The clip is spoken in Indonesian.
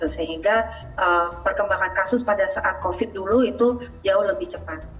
sehingga perkembangan kasus pada saat covid dulu itu jauh lebih cepat